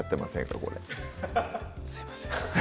これすいません